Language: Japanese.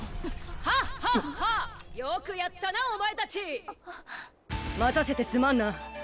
ハッハッハッよくやったなお前達待たせてすまんな